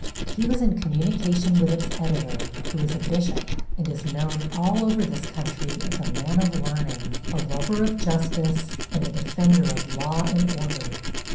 He was in communication with its editor, who is a bishop, and is known all over this country as a man of learning, a lover of justice and the defender of law and order.